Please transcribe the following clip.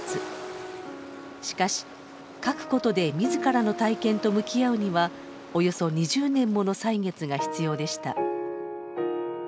しかし書く事で自らの体験と向き合うにはおよそ２０年もの歳月が必要でした。